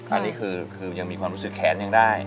อันนี้คือยังมีความรู้สึกแขนยังได้